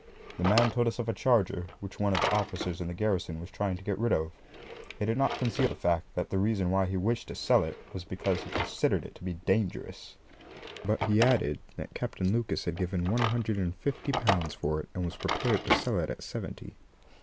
The man told us of a charger which one of the officers in the garrison was trying to get rid of. He did not conceal the fact that the reason why he wished to sell it was because he considered it to be dangerous; but, he added, that Captain Lucas had given L150 for it, and was prepared to sell it at seventy.